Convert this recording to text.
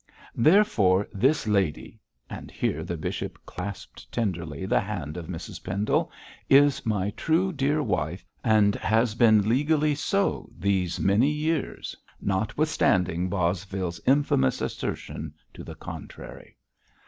Therefore this lady' and here the bishop clasped tenderly the hand of Mrs Pendle 'is my true, dear wife, and has been legally so these many years, notwithstanding Bosvile's infamous assertion to the contrary.'